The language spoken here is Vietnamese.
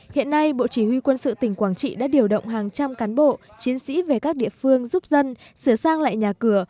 hiện nay bộ chỉ huy quân sự tỉnh quảng trị đã điều động hàng trăm cán bộ chiến sĩ về các địa phương giúp dân sửa sang lại nhà cửa